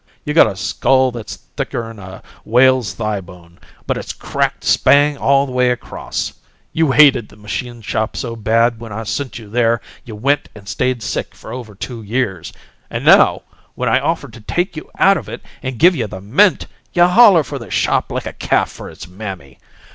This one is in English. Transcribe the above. You got a skull that's thicker'n a whale's thigh bone, but it's cracked spang all the way across! You hated the machine shop so bad when I sent you there, you went and stayed sick for over two years and now, when I offer to take you out of it and give you the mint, you holler for the shop like a calf for its mammy!